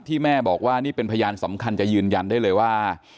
แม่บอกว่านี่เป็นพยานสำคัญจะยืนยันได้เลยว่า